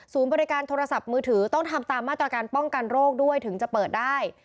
บริการโทรศัพท์มือถือต้องทำตามมาตรการป้องกันโรคด้วยถึงจะเปิดได้